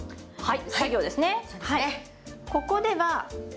はい。